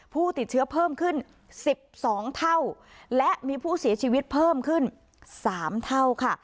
ผู้ติดเชื้อเพิ่มขึ้น๑๒เท่าและมีผู้เสียชีวิตเพิ่มขึ้น๓เท่าค่ะ